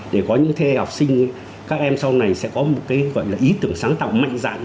để có những thế hệ học sinh các em sau này sẽ có một cái gọi là ý tưởng sáng tạo mạnh dạng